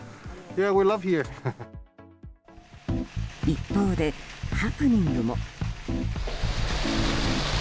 一方でハプニングも。